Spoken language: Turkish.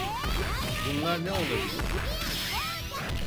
Bunlar ne olabilir?